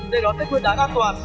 để đón tết nguyên đán an toàn